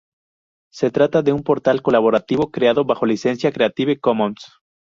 Se trata de un portal colaborativo, creado bajo licencia Creative commons.